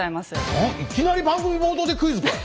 何いきなり番組冒頭でクイズかい！